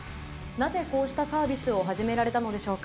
なぜこうしたサービスを始められたのでしょうか？